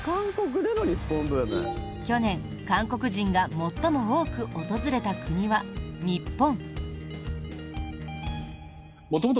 去年、韓国人が最も多く訪れた国は、日本。